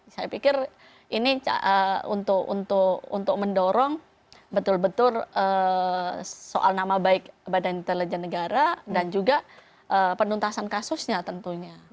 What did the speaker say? saya pikir ini untuk mendorong betul betul soal nama baik badan intelijen negara dan juga penuntasan kasusnya tentunya